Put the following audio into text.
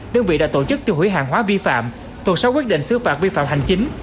đơn vị đã tổ chức tiêu hủy hàng hóa vi phạm tổng sáu quyết định xứ phạt vi phạm hành chính